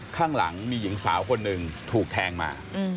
ข้างหลังมีหญิงสาวคนหนึ่งถูกแทงมา